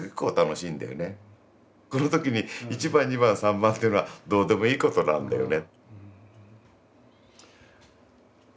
この時に１番２番３番っていうのはどうでもいいことなんだよね。